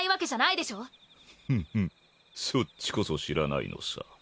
ふふふそっちこそ知らないのさ。